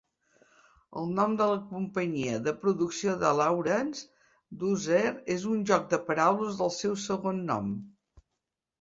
El nom de la companyia de producció de Lawrence, Doozer, és un joc de paraules del seu segon nom.